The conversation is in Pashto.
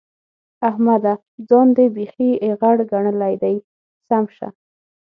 احمده! ځان دې بېخي ايغر ګڼلی دی؛ سم شه.